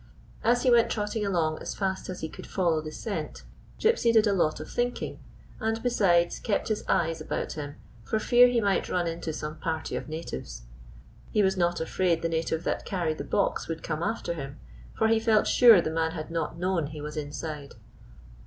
As he went trotting along as fast as he could follow the scent, Gypsy did a lot of thinking, and, besides, kept his eyes about him for fear he might run into some party of natives. He was not afraid the native that carried the box would come after him ; for he felt sure the man had not known he was inside.